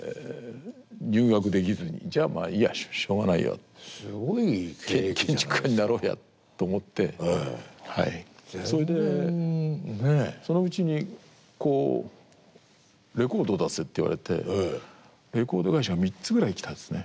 じゃあまあいいやしょうがないや建築家になろうやと思ってそれでそのうちにこうレコードを出せって言われてレコード会社３つぐらい来たんですね。